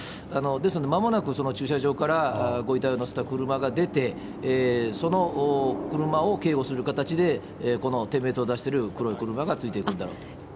ですので、まもなくその駐車場からご遺体を乗せた車が出て、その車を警護する形で、この点滅を出してる黒い車がついていくんだろうと思いますね。